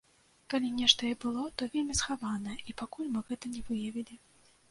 Калі нешта і было, то вельмі схаванае, і пакуль мы гэта не выявілі.